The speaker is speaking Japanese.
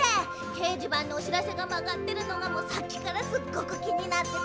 けいじばんのおしらせがまがってるのがもうさっきからすっごくきになってて。